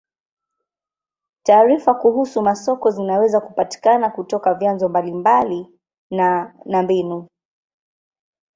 Taarifa kuhusu masoko zinaweza kupatikana kutoka vyanzo mbalimbali na na mbinu.